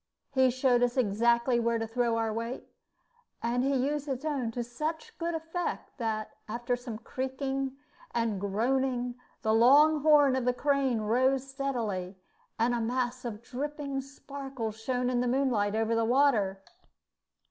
He showed us exactly where to throw our weight, and he used his own to such good effect that, after some creaking and groaning, the long horn of the crane rose steadily, and a mass of dripping sparkles shone in the moonlight over the water.